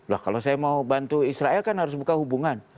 lah kalau saya mau bantu israel kan harus buka hubungan